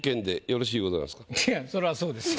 いやそらそうですよ。